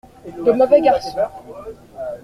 De mauvais garçons.